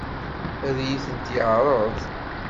Ad iyi-ten-yeɛṛeḍ?